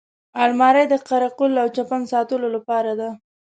الماري د قره قل او چپن ساتلو لپاره ده